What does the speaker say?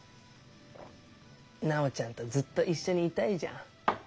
楠宝ちゃんとずっと一緒にいたいじゃん。